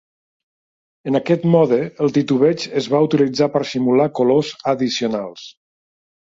En aquest mode, el titubeig es va utilitzar per simular colors addicionals.